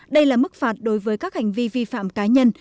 đây là mức phạt đối với các hành vi vi phạm cá nhân